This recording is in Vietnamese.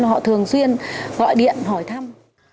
họ thường xuyên gọi điện hỏi thăm